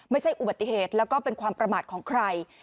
ไม่ใช่อุบัติเหตุแล้วก็เป็นความประมาทของใคร